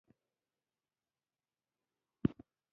غوماشې د صفا چاپېریال سره مخالفت لري.